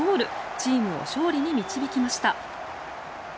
チームを勝利に導きました。